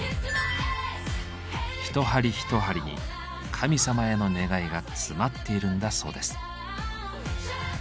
一針一針に神様への願いが詰まっているんだそうです。